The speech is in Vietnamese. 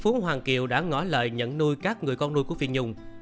nhận nuôi các người con nuôi của phi nhung